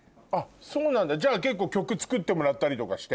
そうなんだじゃ結構曲作ってもらったりとかして？